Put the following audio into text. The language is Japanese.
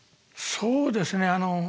そうですね。